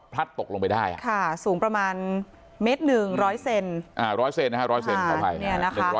พลัดตกลงไปได้สูงประมาณเมตรหนึ่ง๑๐๐เซนติเมตร